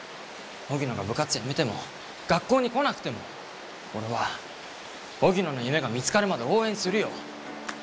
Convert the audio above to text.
荻野が部活やめても学校に来なくても俺は荻野の夢が見つかるまで応援するよ。